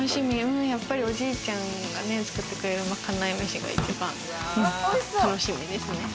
おじいちゃんが作ってくれるまかない飯が一番楽しみですね。